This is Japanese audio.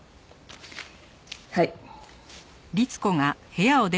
はい。